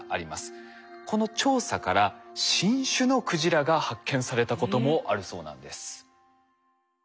この調査から新種のクジラが発見されたこともあるそうなんです。